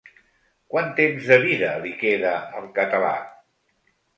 Quant temps de vida li queda al català?